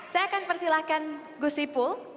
saya akan persilahkan gus ipul